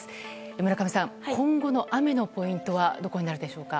村上さん、今後の雨のポイントはどこになるでしょうか？